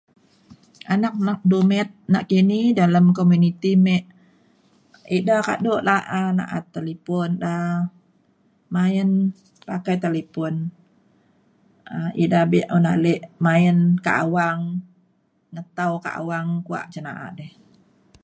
anak anak dumit nakini dalem komuniti me ida kado la’a na’at talipon da main pakai talipon um ida be’un ale main kak awang netau kuak cin na’a di